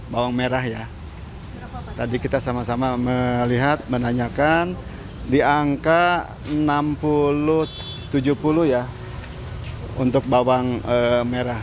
bawang merah ya tadi kita sama sama melihat menanyakan di angka enam puluh tujuh puluh ya untuk bawang merah